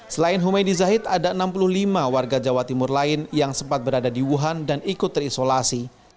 selain humaydi zahid ada enam puluh lima warga jawa timur lain yang sempat berada di wuhan dan ikut terisolasi